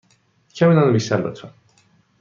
کمی نان بیشتر، لطفا.